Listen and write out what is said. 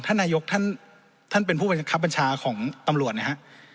ท่านนายกท่านเป็นผู้บัญชาของตำรวจนะครับ